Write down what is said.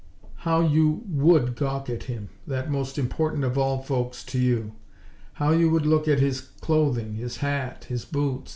How you would gawk at him, that most important of all folks, to you. How you would look at his clothing, his hat, his boots!